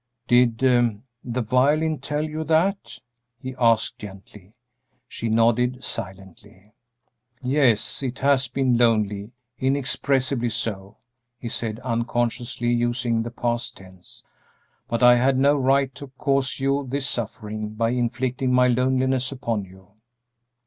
"Did the violin tell you that?" he asked, gently. She nodded silently. "Yes, it has been lonely, inexpressibly so," he said, unconsciously using the past tense; "but I had no right to cause you this suffering by inflicting my loneliness upon you."